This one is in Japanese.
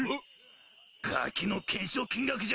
ガキの懸賞金額じゃねえ